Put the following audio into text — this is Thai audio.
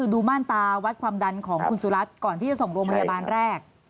ดูมาตราวัดความดันของคุณสุรัสตร์ก่อนที่จะส่งบริการพยาบาลแรก